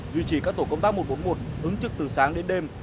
duy trì các tổ công tác một trăm bốn mươi một ứng trực từ sáng đến đêm